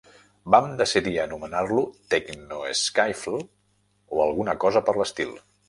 Vam decidir anomenar-lo tecno-skiffle o alguna cosa per l'estil.